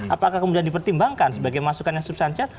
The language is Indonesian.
apakah kemudian dipertimbangkan sebagai masukan yang substansial